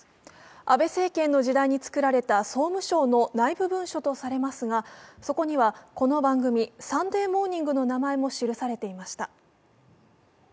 安倍政権の時代に作られた総務省の内部文書とされますがそこには、この番組「サンデーモーニング」の名前も記されていました。